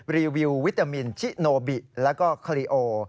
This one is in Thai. รีวิววิตามินชิโนบิแล้วก็คารีโอ